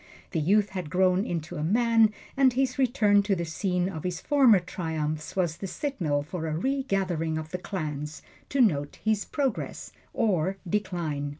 The youth had grown into a man, and his return to the scene of his former triumphs was the signal for a regathering of the clans to note his progress or decline.